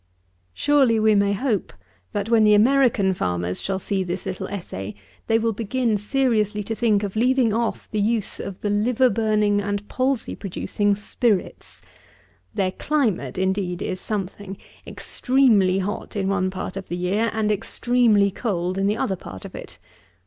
Surely we may hope, that, when the American farmers shall see this little Essay, they will begin seriously to think of leaving off the use of the liver burning and palsy producing spirits. Their climate, indeed, is something: extremely hot in one part of the year, and extremely cold in the other part of it.